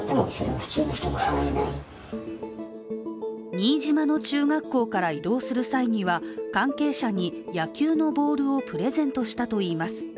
新島の中学校から異動する際には関係者に野球のボールをプレゼントしたといいます。